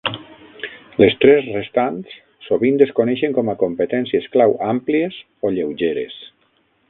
Les tres restants sovint es coneixen com a competències clau "àmplies" o "lleugeres".